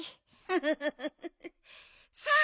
フフフフさあ